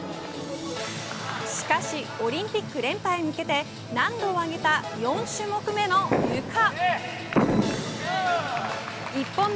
しかしオリンピック連覇へ向けて難度を上げた４種目目のゆか。